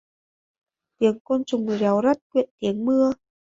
Tiếng côn trùng réo rắt quyện tiếng mưa